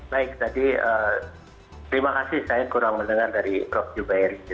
baik tadi terima kasih saya kurang mendengar dari prof zubairi